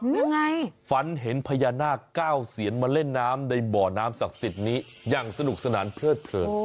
ยังไงฝันเห็นพญานาคเก้าเซียนมาเล่นน้ำในบ่อน้ำศักดิ์สิทธิ์นี้อย่างสนุกสนานเพลิดเผลิน